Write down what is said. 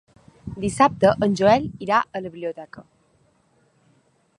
Dissabte en Joel irà a la biblioteca.